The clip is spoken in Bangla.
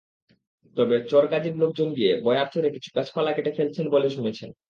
তবে চরগাজীর লোকজন গিয়ে বয়ারচরের কিছু গাছপালা কেটে ফেলেছেন বলে শুনেছেন।